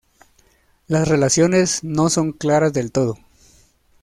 Las relaciones no son claras del todo.